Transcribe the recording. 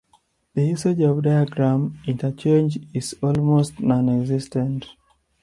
The usage of Diagram Interchange is almost nonexistent.